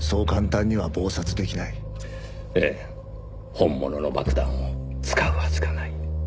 本物の爆弾を使うはずがない。